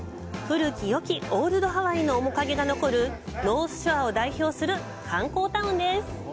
古きよきオールドハワイの面影が残るノースショアを代表する観光タウンです。